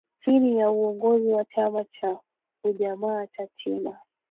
Chini ya uongozi wa chama cha Ujamaa cha China